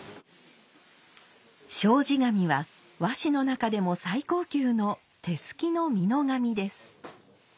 障子紙は和紙の中でも最高級の手すきの美濃紙です。